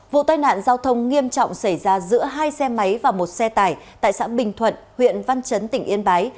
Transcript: vụ tai nạn giao thông nghiêm trọng xảy ra giữa hai xe máy và một xe tải tại xã bình thuận huyện văn chấn tỉnh yên bái